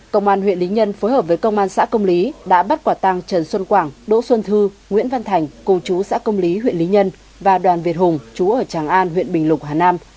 công an huyện lý nhân phối hợp với công an xã công lý đã bắt quả tăng trần xuân quảng đỗ xuân thư nguyễn văn thành cùng chú xã công lý huyện lý nhân và đoàn việt hùng chú ở tràng an huyện bình lục hà nam